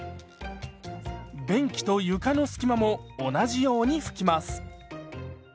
便器と床の隙間も同じように拭きます。